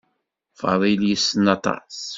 Faḍil yessen aṭas.